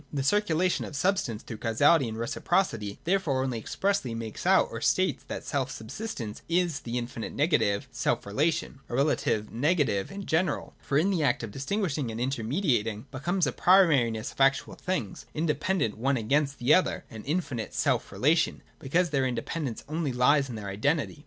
The circulation of substance through causality and reciprocity therefore only expressly makes out or states that self subsistence is the infinite negative self relation— a relation negative, in general, for in it the act of distinguishing and intermediating becomes a pri mariness of actual things independent one against the other, — and infinite self relation, because their independ ence only lies in their identity.